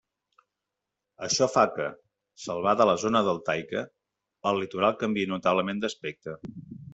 Això fa que, salvada la zona deltaica, el litoral canviï notablement d'aspecte.